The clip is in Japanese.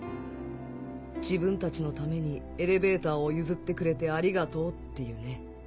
「自分たちのためにエレベーターを譲ってくれてありがとう」っていうね。